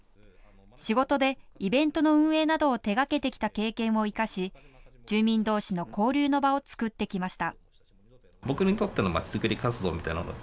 仕事でイベントの運営などを手がけてきた経験を生かし住民同士の交流の場を作ってきました。